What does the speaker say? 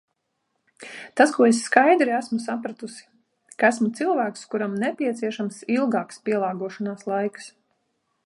Tas, ko es skaidri esmu sapratusi, ka esmu cilvēks, kuram nepieciešams ilgāks pielāgošanās laiks.